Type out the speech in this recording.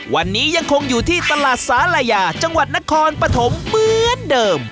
วันนี้ยังคงอยู่ที่ตลาดสาลายาจังหวัดนครปฐมเหมือนเดิม